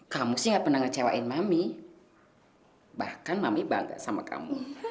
kamu sih gak pernah ngecewain mami bahkan mami bangga sama kamu